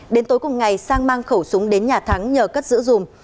đến tối cùng ngày sang mang khẩu súng đến nhà thắng nhờ cất giữ dùm